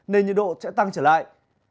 nên nhiệt độ sẽ tăng trở lại